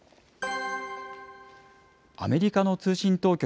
アメリカの通信当局